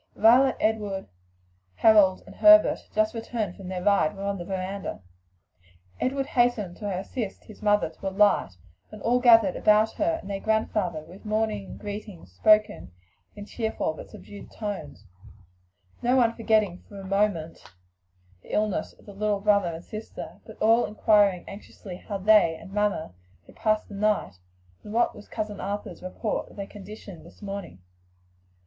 Violet, Edward, Harold and Herbert, just returned from their ride, were on the veranda. Edward hastened to assist his mother to alight, and all gathered about her and their grandfather with morning greetings spoken in cheerful but subdued tones; no one forgetting for a moment the illness of the little pet brother and sister, but all inquiring anxiously how they and "Mamma" had passed the night, and what was cousin Arthur's report of their condition this morning.